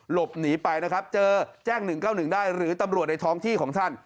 หลบหนีไปนะครับเจอแจ้ง๑๙๑ได้หรือตำรวจในท้องที่ของท่าน